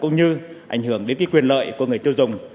cũng như ảnh hưởng đến cái quyền lợi của người tiêu dùng